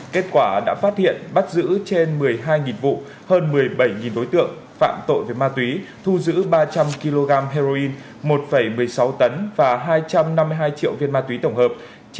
kết quả đã phát hiện bắt giữ trên một mươi hai vụ hơn một mươi bảy đối tượng phạm tội về ma túy thu giữ ba trăm linh kg heroin một một mươi sáu tấn và hai trăm năm mươi hai triệu viên ma túy tổng hợp